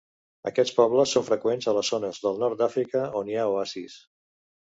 Aquests pobles són freqüents a les zones del nord d'Àfrica on hi ha oasis.